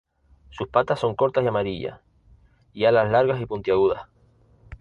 Sus patas son cortas y amarillas; y alas largas y puntiagudas.